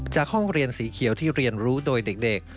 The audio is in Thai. ห้องเรียนสีเขียวที่เรียนรู้โดยเด็ก